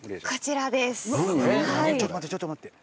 ちょっと待ってちょっと待って。